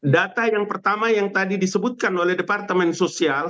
data yang pertama yang tadi disebutkan oleh departemen sosial